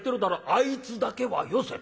『あいつだけはよせ』と。